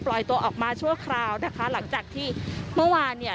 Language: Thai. ปล่อยตัวออกมาชั่วคราวนะคะหลังจากที่เมื่อวานเนี่ย